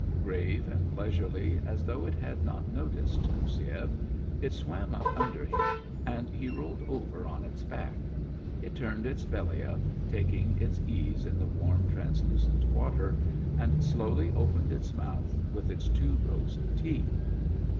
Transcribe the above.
Gravely and leisurely, as though it had not noticed Goussiev, it swam up under him, and he rolled over on its back; it turned its belly up, taking its ease in the warm, translucent water, and slowly opened its mouth with its two rows of teeth.